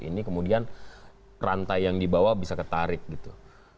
ini kemudian rantai yang dibawa bisa ketarik gitu